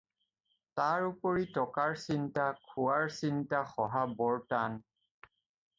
তাৰ উপৰি টকাৰ চিন্তা খোৱাৰ চিন্তা সহা বৰ টান।